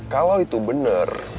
kalo itu bener